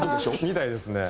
みたいですね。